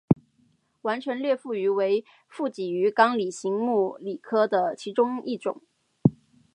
完唇裂腹鱼为辐鳍鱼纲鲤形目鲤科的其中一种。